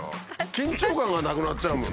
緊張感がなくなっちゃうもん。